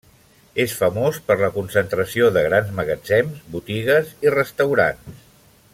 És famós per la concentració de grans magatzems, botigues i restaurants.